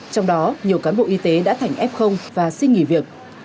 trong đó nhiều cán bộ y tế đã thành f và xin nghỉ việc